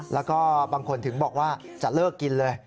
แล้วก็บางคนถึงบอกว่าจะเลิกกินเลย